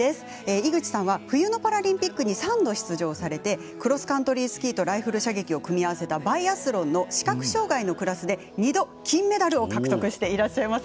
井口さんは冬のパラリンピックに３回出場されてクロスカントリースキーとライフル射撃を組み合わせたバイアスロンの視覚障がいのクラスで２度金メダルを獲得していらっしゃいます。